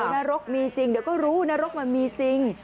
นรกมีจริงเดี๋ยวก็รู้นรกมันมีจริง